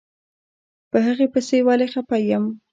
په هغې پسې ولې خپه يم.